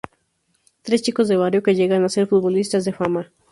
Tres chicos de barrio que llegan a ser futbolistas de fama.